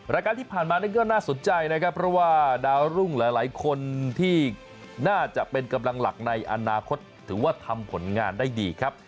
รายการที่ผ่านมานี่ก็น่าสนใจนะครับเพราะว่าดาวรุ่งหลายคนที่น่าจะเป็นกำลังหลักในอนาคตถือว่าทำผลงานได้ดีครับ